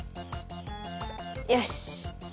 よし。